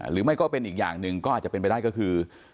หรือไม่ก็เป็นอีกอย่างหนึ่งก็อาจจะเป็นไปได้ก็คือ